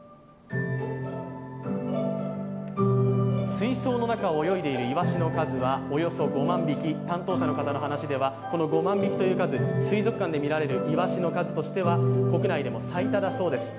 水槽の中を泳いでいるイワシの数はおよそ５万匹、担当者の方の話では、この５万匹という数、水族館でみられるイワシの数としては、国内でも最多だそうです。